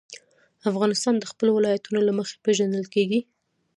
افغانستان د خپلو ولایتونو له مخې پېژندل کېږي.